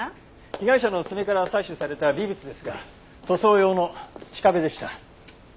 被害者の爪から採取された微物ですが塗装用の土壁でした。